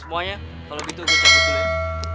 semuanya kalau gitu gue cabut dulu ya